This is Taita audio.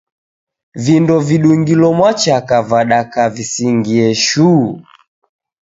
Vindo vidungilo mwachaka vadakaa visingie shuu.